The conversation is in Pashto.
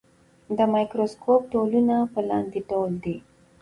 د مایکروسکوپ ډولونه په لاندې ډول دي.